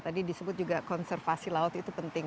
tadi disebut juga konservasi laut itu penting